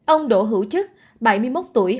ông đỗ hữu chức bảy mươi một tuổi